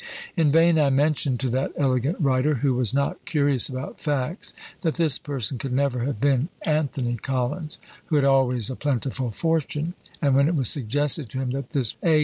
In vain I mentioned to that elegant writer, who was not curious about facts, that this person could never have been Anthony Collins, who had always a plentiful fortune; and when it was suggested to him that this "A.